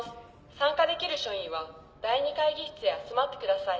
参加できる署員は第２会議室へ集まってください。